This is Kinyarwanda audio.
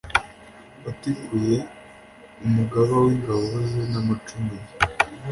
watikuye umugaba w ingabo ze n amacumu ye